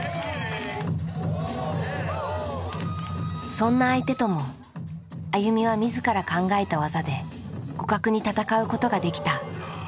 そんな相手ともＡＹＵＭＩは自ら考えた技で互角に戦うことができた。